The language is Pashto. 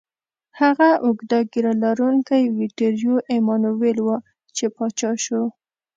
هغه اوږده ږیره لرونکی ویټوریو ایمانویل و، چې پاچا شو.